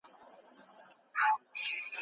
د بشري حقونو تړونونه څنګه منل کېږي؟